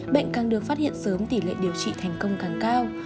bệnh càng được phát hiện sớm tỷ lệ điều trị thành công càng cao